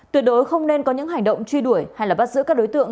tuyệt đối không nên có những hành động truy đuổi hay bắt giữ các đối tượng